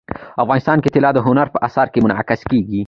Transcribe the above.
افغانستان کې طلا د هنر په اثار کې منعکس کېږي.